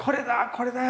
これだよ！